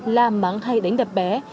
la mắng hay đánh đập bé